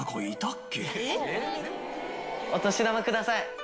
お年玉ください。